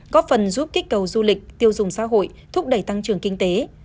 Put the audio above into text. có phần giúp kích cầu du lịch tiêu dùng xã hội thúc đẩy tăng trưởng kinh tế